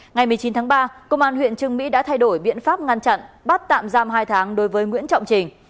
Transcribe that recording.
ngày một mươi chín tháng ba công an huyện trương mỹ đã thay đổi biện pháp ngăn chặn bắt tạm giam hai tháng đối với nguyễn trọng trình